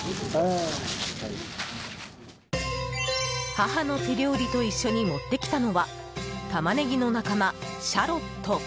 母の手料理と一緒に持ってきたのはタマネギの仲間、シャロット。